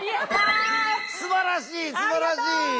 すばらしいすばらしい。